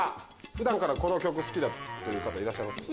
普段からこの曲好きだという方いらっしゃいますか？